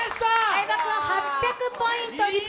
相葉君、８００ポイント。